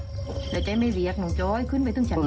เดี๋ยวแจ้งไม่เหลียกน้องจ้อยขึ้นไปถึงฉันข้าง